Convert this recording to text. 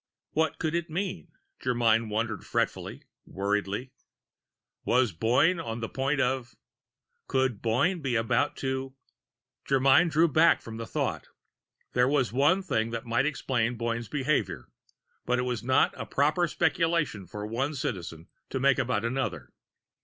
What could it mean? Germyn wondered fretfully, worriedly. Was Boyne on the point of Could Boyne be about to Germyn drew back from the thought. There was one thing that might explain Boyne's behavior. But it was not a proper speculation for one Citizen to make about another.